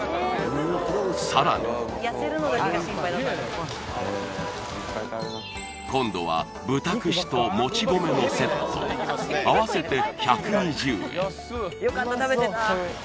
さらに今度は豚串ともち米のセット合わせて１２０円